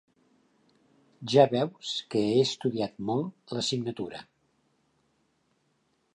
Ja veus que he estudiat molt l'assignatura.